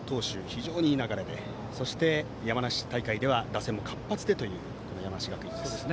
非常にいい流れで山梨大会では打線も活発でという山梨学院です。